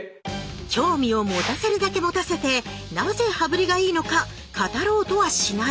興味を持たせるだけ持たせてなぜ羽振りがいいのか語ろうとはしない。